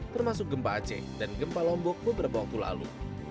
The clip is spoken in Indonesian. termasuk gempa aceh dan gempa lombok beberapa waktu lalu